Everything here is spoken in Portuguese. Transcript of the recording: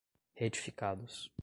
retificados